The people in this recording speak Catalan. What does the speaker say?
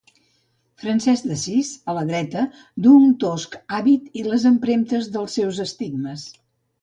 Francesc d'Assís, a la dreta, duu un tosc hàbit i les empremtes dels seus estigmes.